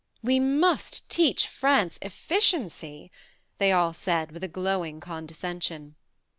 " We must teach France efficiency," they all said with a glowing con descension.